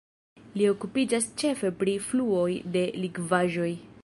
Li okupiĝas ĉefe pri fluoj de likvaĵoj.